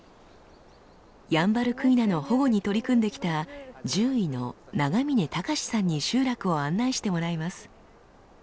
ヤンバルクイナの保護に取り組んできた獣医の長嶺隆さんに集落を案内してもらいます。